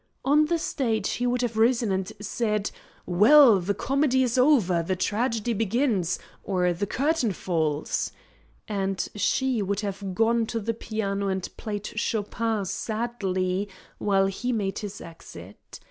On the stage he would have risen and said, 'Well, the comedy is over, the tragedy begins, or the curtain falls;' and she would have gone to the piano and played Chopin sadly while he made his exit.